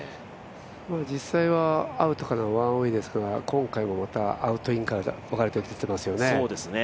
実際はアウトからワンウェイですから今回もまたアウトインから分かれて出てますよね。